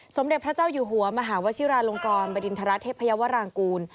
สมเด็จพระเจ้าอยู่หัวมหาวชิราลงกรบริณฑระเทพยาวรางกูล